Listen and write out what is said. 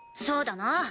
そうだな